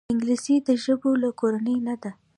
انګلیسي د ژبو له کورنۍ نه ده